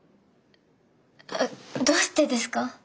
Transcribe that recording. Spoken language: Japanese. どうしてですか？